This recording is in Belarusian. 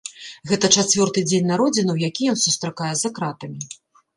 Гэта чацвёрты дзень народзінаў, які ён сустракае за кратамі.